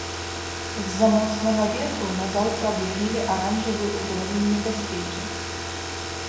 З-за моцнага ветру на заўтра аб'явілі аранжавы ўзровень небяспекі.